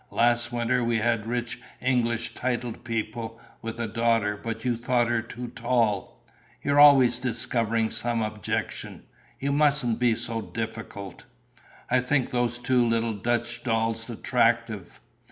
Last winter we had rich English titled people, with a daughter, but you thought her too tall. You're always discovering some objection. You mustn't be so difficult." "I think those two little Dutch dolls attractive."